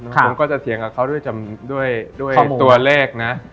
ผมก็จะเถียงกับเขาด้วยของตัวเลขนะ